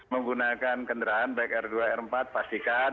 menggunakan kendaraan baik r dua r empat pastikan